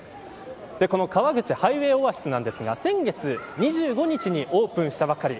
この川口ハイウェイオアシスなんですが先月２５日にオープンしたばかり。